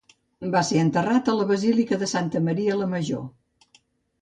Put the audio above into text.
Va ser enterrat a la Basílica de Santa Maria la Major.